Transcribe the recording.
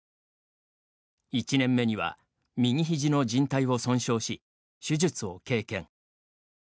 １年目には右ひじのじん帯を損傷し、手術を経験。